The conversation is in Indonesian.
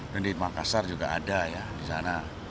dan di makassar juga ada ya di sana